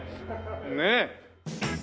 ねえ。